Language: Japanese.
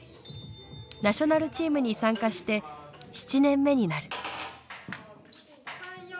ナショナルチームに参加して７年目になる。